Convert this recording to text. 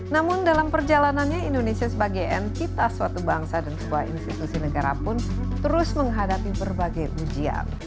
namun dalam perjalanannya indonesia sebagai entitas suatu bangsa dan sebuah institusi negara pun terus menghadapi berbagai ujian